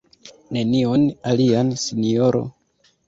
Nenion alian, sinjoro?